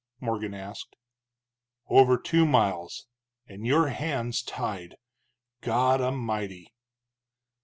Morgan asked. "Over two miles! And your hands tied God A'mighty!"